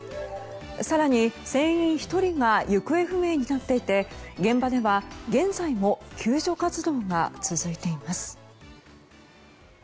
更に、船員１人が行方不明になっていて現場では現在も救助活動が続いています。